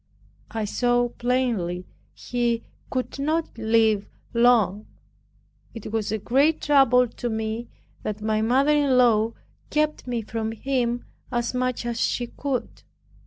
I saw plainly he could not live long. It was a great trouble to me, that my mother in law kept me from him as much as she could.